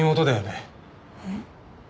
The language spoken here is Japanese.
えっ？